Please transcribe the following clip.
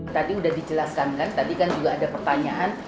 tadi sudah dijelaskan kan tadi kan juga ada pertanyaan